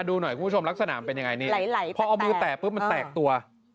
ดูหน่อยคุณผู้ชมลักษณะเป็นยังไงนี่ไหลพอเอามือแตกปุ๊บมันแตกตัว